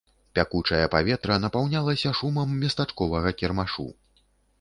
Пякучае паветра напаўнялася шумам местачковага кірмашу.